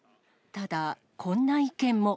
ただ、こんな意見も。